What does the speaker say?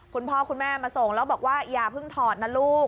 คุณพ่อคุณแม่มาส่งแล้วบอกว่าอย่าเพิ่งถอดนะลูก